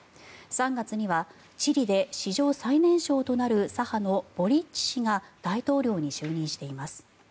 ３月にはチリで史上最年少となる左派のボリッチ氏が大統領に就任しています。